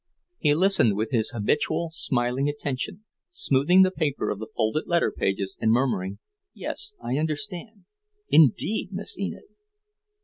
He listened with his habitual, smiling attention, smoothing the paper of the folded letter pages and murmuring, "Yes, I understand. Indeed, Miss Enid?"